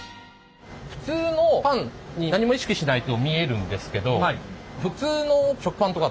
普通のパンに何も意識しないと見えるんですけど